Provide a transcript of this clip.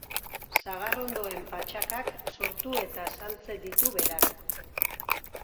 Sagarrondoen patxakak sortu eta saltze ditu berak.